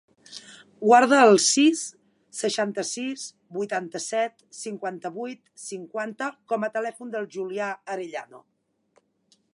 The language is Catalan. Guarda el sis, seixanta-sis, vuitanta-set, cinquanta-vuit, cinquanta com a telèfon del Julià Arellano.